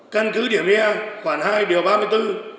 căn cứ địa mê khoản hai điều ba mươi bốn